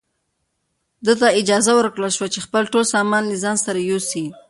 ده ته اجازه ورکړل شوه چې خپل ټول سامان له ځان سره یوسي.